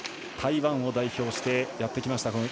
台湾を代表してやってきました。